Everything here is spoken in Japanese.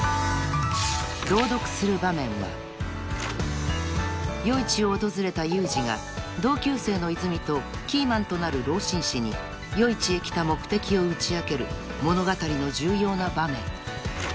［朗読する場面は夜市を訪れた裕司が同級生のいずみとキーマンとなる老紳士に夜市へ来た目的を打ち明ける物語の重要な場面］